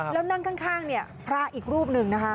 แล้วนั่งข้างเนี่ยพระอีกรูปหนึ่งนะคะ